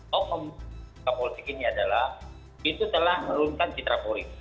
hukum kapolri ini adalah itu telah menurunkan citra polri